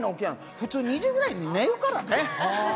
普通２時くらいに寝るからね。